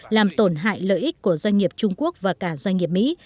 làm tổn hại lợi ích của doanh nghiệp trung quốc và cả doanh nghiệp mỹ